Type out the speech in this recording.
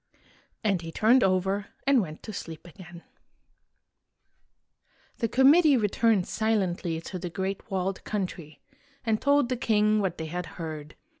And he turned over and went to sleep again. 148 IN THE GREAT WALLED COUNTRY The committee returned silently to The Great Walled Country, and told the king what they had heard.